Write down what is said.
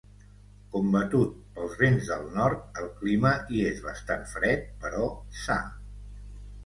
Combatut pels vents del nord, el clima hi és bastant fred, però sa.